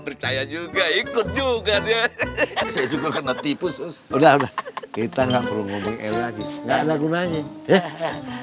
percaya juga ikut juga juga kena tipu sudah kita nggak perlu lagi nggak ada gunanya ya